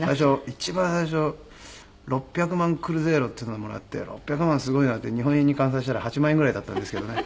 一番最初６００万クルゼイロっていうのをもらって６００万すごいなって日本円に換算したら８万円ぐらいだったんですけどね。